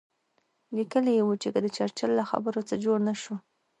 لیکلي یې وو چې که د چرچل له خبرو څه جوړ نه شو.